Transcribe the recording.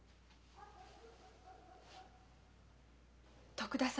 徳田様。